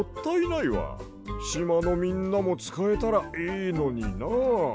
しまのみんなもつかえたらいいのにな。